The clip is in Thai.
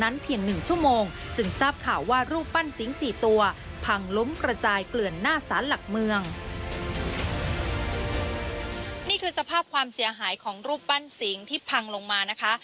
นี่คือสภาพความเสียหายของรูปปั้นสิงที่พังลงมานะคะ